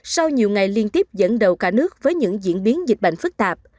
sau nhiều ngày liên tiếp dẫn đầu cả nước với những diễn biến dịch bệnh phức tạp